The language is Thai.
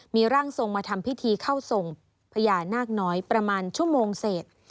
มีร่างทรงมาทำพิธีเข้าทรงพญานาคน้อยประมาณชั่วโมงเศษ